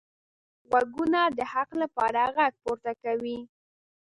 غوږونه د حق لپاره غږ پورته کوي